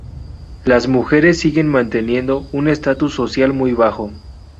Las mujeres siguen manteniendo un estatus social muy bajo.